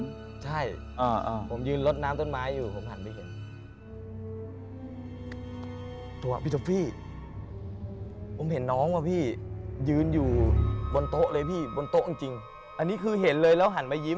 ใช่ผมยืนลดน้ำต้นไม้อยู่ผมหันไปเห็นตัวพี่ท็อฟฟี่ผมเห็นน้องว่าพี่ยืนอยู่บนโต๊ะเลยพี่บนโต๊ะจริงอันนี้คือเห็นเลยแล้วหันมายิ้ม